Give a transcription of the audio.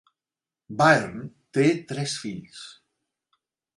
Byrne té tres fills.